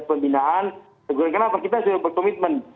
pembinaan kenapa kita sudah berkomitmen